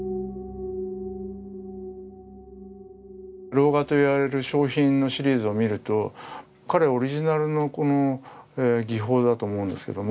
ロウ画と言われる小品のシリーズを見ると彼オリジナルのこの技法だと思うんですけども。